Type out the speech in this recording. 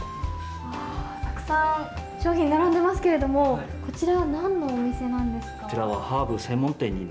たくさん商品並んでますけれども、こちらはなんのお店なんですか？